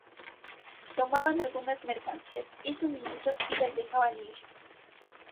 Tomaban algunas mercancías y suministros y les dejaban ir.